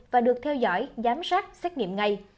và được theo dõi giám sát xét nghiệm ngay